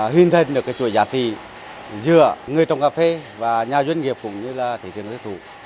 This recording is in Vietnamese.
huyên thân được cái chuỗi giá trị giữa người trồng cà phê và nhà doanh nghiệp cũng như là thị trường giới thủ